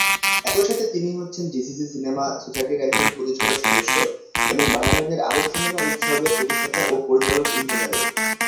একই সাথে তিনি হচ্ছেন জিসিসি সিনেমা সোসাইটির একজন প্রতিষ্ঠাতা সদস্য এবং বাহরাইনের আরব সিনেমা উৎসবের প্রতিষ্ঠাতা ও পরিচালক-ইন-জেনারেল।